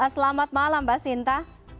selamat malam mbak sinta